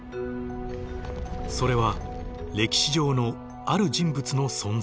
それは歴史上のある人物の存在だ。